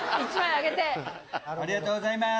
ありがとうございます。